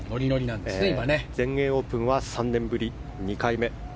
全英オープンは３年ぶり２回目。